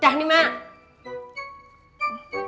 sampai jumpa lagi